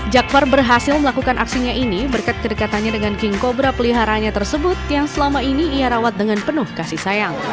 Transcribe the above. jakvar berhasil melakukan aksinya ini berkat kedekatannya dengan king cobra peliharaannya tersebut yang selama ini ia rawat dengan penuh kasih sayang